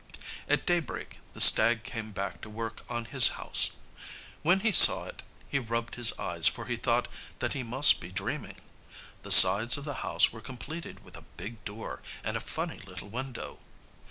At daybreak the stag came back to work on his house. When he saw it he rubbed his eyes for he thought that he must be dreaming. The sides of the house were completed with a big door and a funny little window.